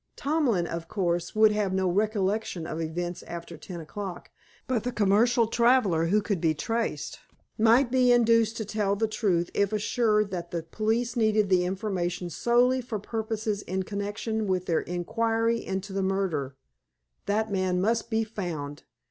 Tomlin, of course, would have no recollection of events after ten o'clock, but the commercial traveler, who could be traced, might be induced to tell the truth if assured that the police needed the information solely for purposes in connection with their inquiry into the murder. That man must be found.